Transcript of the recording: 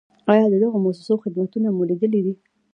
آیا د دغو مؤسسو خدمتونه مو لیدلي دي؟